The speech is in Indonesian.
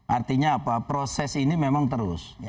artinya apa proses ini memang terus